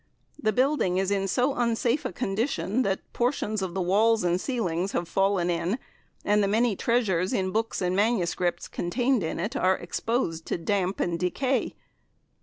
The building is in so unsafe a condition that portions of the walls and ceilings have fallen in, and the many treasures in Books and MSS. contained in it are exposed to damp and decay.